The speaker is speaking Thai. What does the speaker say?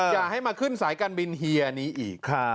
อย่าให้มาขึ้นสายการบินเฮียนี้อีก